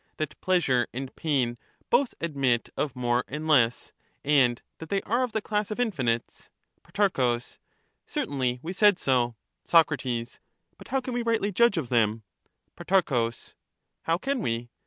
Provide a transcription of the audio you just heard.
That pleasure and pain both admit of more and less, and that they are of the class of infinites. Pro. Certainly, we said so. Soc. But how can we rightly judge of them ? Pro. How can we